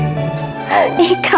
aku tadi pengsan aku pengsan